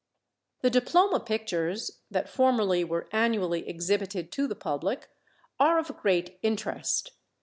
The diploma pictures (that formerly were annually exhibited to the public) are of great interest.